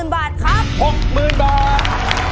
๐บาทครับ๖๐๐๐บาท